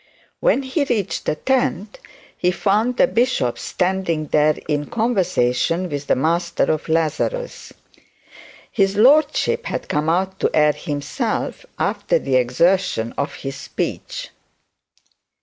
When he reached the tent he found the bishop standing there in conversation with the master of Lazarus. His lordship had come out to air himself afer the exertion of his speech.